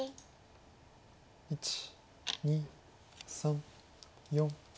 １２３４。